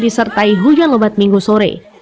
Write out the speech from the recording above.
disertai hujan lebat minggu sore